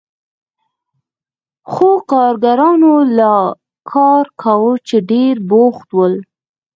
خو کارګرانو لا کار کاوه چې ډېر بوخت ول.